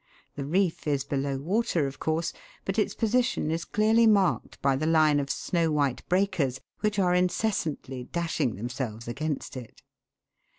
The reef is below water, of course, but its position is clearly marked by the line of snow white breakers, which are incessantly dashing themselves against it.